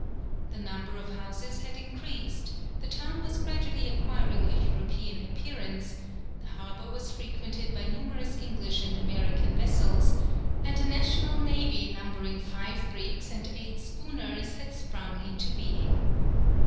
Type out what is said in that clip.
The number of houses had increased, the town was gradually acquiring a European appearance, the harbour was frequented by numerous English and American vessels, and a national navy numbering five brigs and eight schooners had sprung into being.